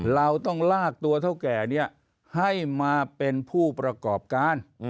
เราต้องลากตัวเท่าแก่ให้มาเป็นผู้ประกอบการ